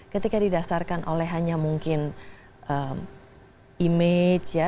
ketika didasarkan oleh hanya mungkin image ya